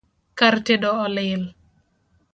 Kar tedo olil